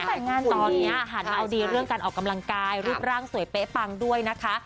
แต่งงานตอนนี้หันมาเอาดีเรื่องการออกกำลังกายรูปร่างสวยเป๊ะปังด้วยนะคะ